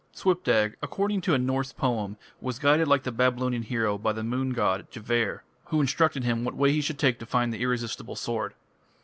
Svipdag, according to a Norse poem, was guided like the Babylonian hero by the moon god, Gevar, who instructed him what way he should take to find the irresistible sword.